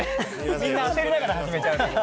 みんな焦りながら始めちゃうから。